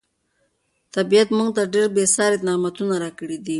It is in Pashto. طبیعت موږ ته ډېر بې ساري نعمتونه راکړي دي.